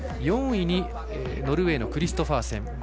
４位にノルウェーのクリストファーセン。